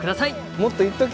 もっと言っとき！